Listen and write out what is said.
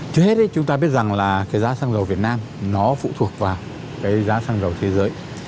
trước hết chúng ta biết rằng giá xăng dầu việt nam phụ thuộc vào giá xăng dầu thế giới